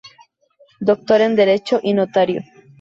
Doctor en Derecho y notario.